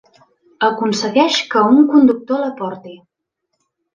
Aconsegueix que un conductor la porti.